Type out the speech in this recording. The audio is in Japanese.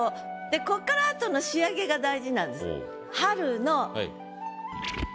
でこっからあとの仕上げが大事なんです。